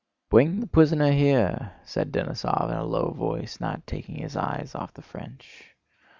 "Bwing the prisoner here," said Denísov in a low voice, not taking his eyes off the French.